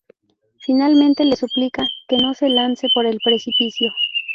Finalmente, le suplica que no se lance por el precipicio.